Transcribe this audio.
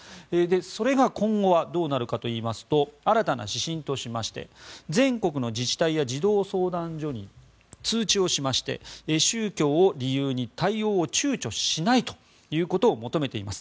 それが今後はどうなるかといいますと新たな指針としまして全国の自治体や児童相談所に通知をしまして宗教を理由に対応を躊躇しないということを求めています。